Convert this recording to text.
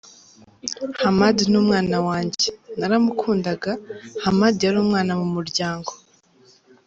Hamad ni umwana wanjye, naramukundaga, Hamad yari umwana mu muryango.